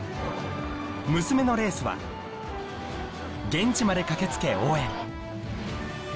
娘のレースは現地まで駆け付け応援